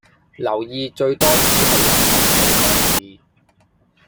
留意最多只係入十四個字